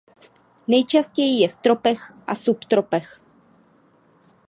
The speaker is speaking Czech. Nejčastěji je v tropech a subtropech.